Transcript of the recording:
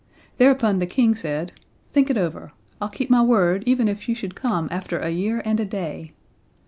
Thereupon the king said: "Think it over. I'll keep my word even if you should come after a year and a day!"